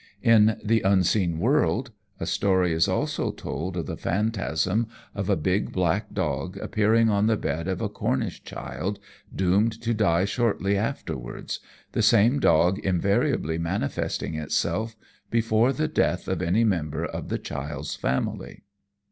In The Unseen World a story is also told of the phantasm of a big black dog appearing on the bed of a Cornish child, doomed to die shortly afterwards, the same dog invariably manifesting itself before the death of any member of the child's family.